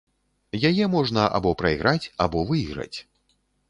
Яе можна або прайграць, або выйграць.